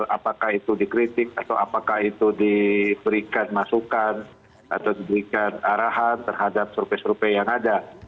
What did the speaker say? apakah itu dikritik atau apakah itu diberikan masukan atau diberikan arahan terhadap survei survei yang ada